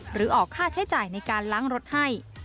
หรือออกค่าใช้จ่ายในการล้างรถให้